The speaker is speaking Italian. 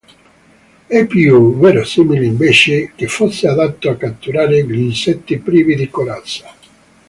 È più verosimile, invece, che fosse adatto a catturare gli insetti privi di corazza.